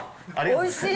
おいしい。